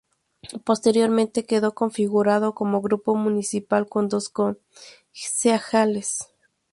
Posteriormente, quedó configurado como grupo municipal con dos concejales.